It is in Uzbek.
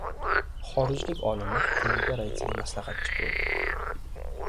Xorijlik olimlar qo‘mita raisiga maslahatchi bo‘ldi